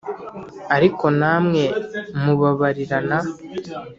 Ari ko namwe mubabarirana